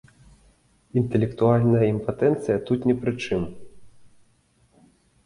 Інтэлектуальная імпатэнцыя тут не пры чым.